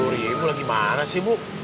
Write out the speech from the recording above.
tujuh puluh ribu lagi mana sih bu